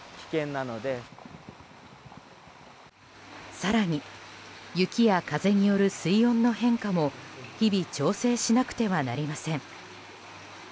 更に雪や風による水温の変化も日々調整しなくてはなりません。